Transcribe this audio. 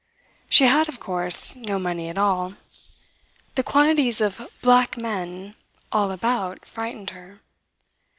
She had, of course, no money at all. The quantities of "black men" all about frightened her.